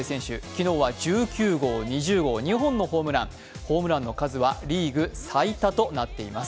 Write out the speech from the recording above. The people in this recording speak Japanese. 昨日は１９号、２０号、２本のホームランホームランの数はリーグ最多となっています。